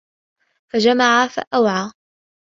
وَجَمَعَ فَأَوعى